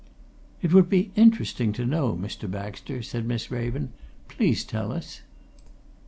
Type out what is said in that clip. "It would be interesting to know, Mr. Baxter," said Miss Raven. "Please tell us."